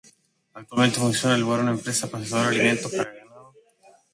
Actualmente funciona en el lugar una empresa procesadora de alimentos para ganado.